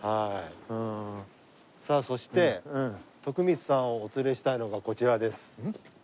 さあそして徳光さんをお連れしたいのがこちらです。